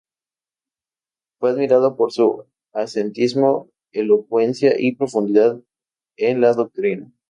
Fue admirado por su ascetismo, elocuencia y profundidad en la doctrina.